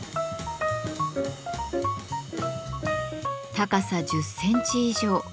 高さ１０センチ以上。